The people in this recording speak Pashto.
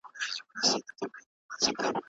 اوسنی سياسي فکر د عامه ګټو د خوندیتوب هڅه کوي.